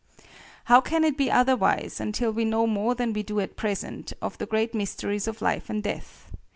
How can it be otherwise, until we know more than we do at present, of the great mysteries of life and death?